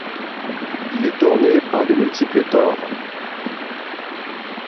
Il est orné par de multiples tores.